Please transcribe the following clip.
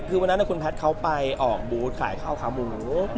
คือวันนั้นคุณแพทย์เขาไปออกบูธขายข้าวขาหมู